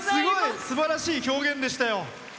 すばらしい表現でしたよ。